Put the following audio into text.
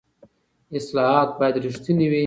اصلاحات باید رښتیني وي